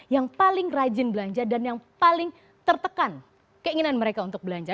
yang paling rajin belanja dan yang paling tertekan keinginan mereka untuk belanja